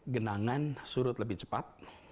genangan surut lebih cepat